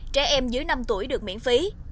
trẻ em dưới năm tuổi được miễn phí